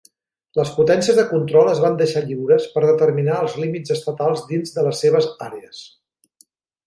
Les potències de control es van deixar lliures per determinar els límits estatals dins de les seves àrees.